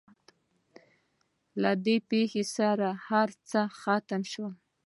له دې پېښې سره هر څه ختم شول.